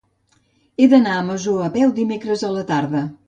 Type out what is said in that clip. He d'anar a la Masó a peu dimecres a la tarda.